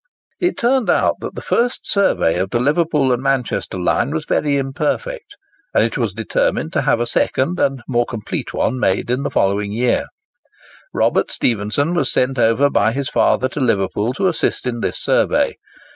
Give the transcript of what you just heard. It turned out that the first survey of the Liverpool and Manchester line was very imperfect, and it was determined to have a second and more complete one made in the following year. Robert Stephenson was sent over by his father to Liverpool to assist in this survey.